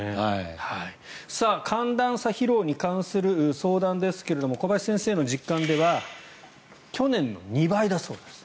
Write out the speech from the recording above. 寒暖差疲労に関する相談ですが小林先生の実感では去年の２倍だそうです。